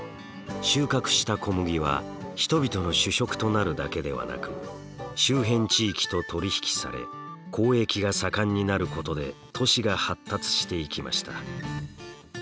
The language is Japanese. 収穫した小麦は人々の主食となるだけではなく周辺地域と取り引きされ交易が盛んになることで都市が発達していきました。